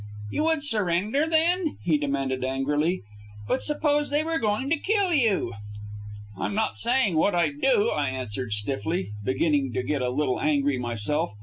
"You would surrender, then?" he demanded angrily. "But suppose they were going to kill you?" "I'm not saying what I'd do," I answered stiffly, beginning to get a little angry myself.